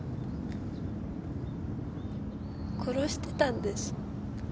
殺してたんです。